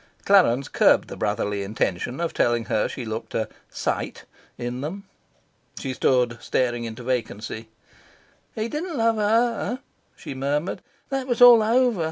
Clarence curbed the brotherly intention of telling her she looked "a sight" in them. She stood staring into vacancy. "He didn't love HER," she murmured. "That was all over.